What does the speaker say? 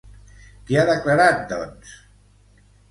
Què ha declarat, doncs?